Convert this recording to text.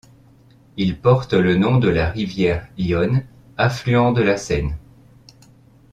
Il porte le nom de la rivière Yonne, affluent de la Seine.